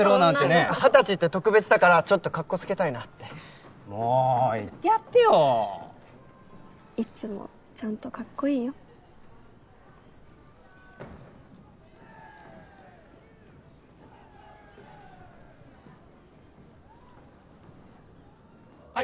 そんなの二十歳って特別だからちょっとカッコつけたいなってもう言ってやってよいつもちゃんとカッコいいよはい